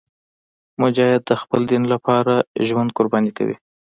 مجاهد د خپل دین لپاره ژوند قرباني کوي.